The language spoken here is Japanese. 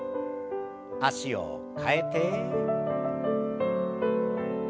脚を替えて。